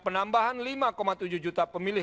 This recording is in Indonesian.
penambahan lima tujuh juta pemilih